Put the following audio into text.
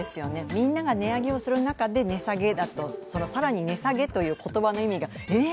みんなが値上げする中で、値下げだと、更に値下げという言葉の意味が、ええ！